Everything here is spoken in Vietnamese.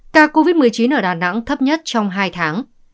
ca covid một mươi chín ở đà nẵng thấp nhất trong hai tháng